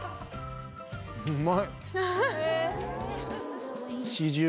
うまい！